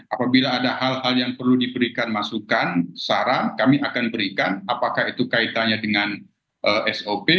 apabila ada hal hal yang perlu diberikan masukan saran kami akan berikan apakah itu kaitannya dengan sop